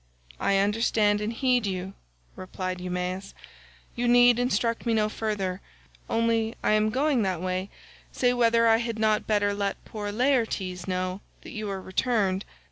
"I understand and heed you," replied Eumaeus; "you need instruct me no further, only as I am going that way say whether I had not better let poor Laertes know that you are returned.